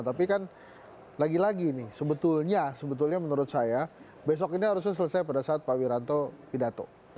tapi kan lagi lagi nih sebetulnya menurut saya besok ini harusnya selesai pada saat pak wiranto pidato